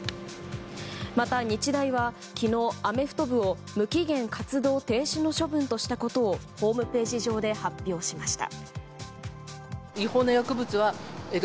また日大は、昨日アメフト部を無期限活動停止の処分としたことをホームページ上で発表しました。